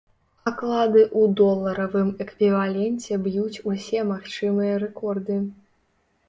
Аклады ў доларавым эквіваленце б'юць усе магчымыя рэкорды.